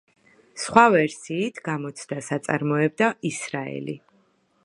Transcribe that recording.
სხვა ვერსიით, გამოცდას აწარმოებდა ისრაელი.